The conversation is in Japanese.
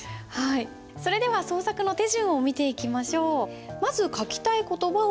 それでは創作の手順を見ていきましょう。